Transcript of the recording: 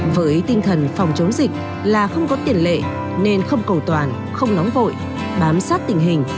với tinh thần phòng chống dịch là không có tiền lệ nên không cầu toàn không nóng vội bám sát tình hình